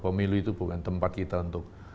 pemilu itu bukan tempat kita untuk